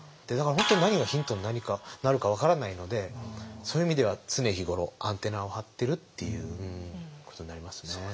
だから本当何がヒントになるか分からないのでそういう意味では常日頃アンテナを張ってるっていうことになりますね。